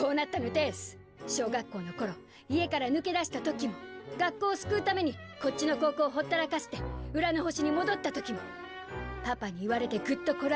小学校の頃家から抜け出した時も学校を救うためにこっちの高校をほったらかして浦の星に戻った時もパパに言われてぐっとこらえてきました。